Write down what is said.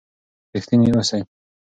ریښتینی اوسئ.